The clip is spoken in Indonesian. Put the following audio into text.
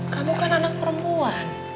kamu kan anak perempuan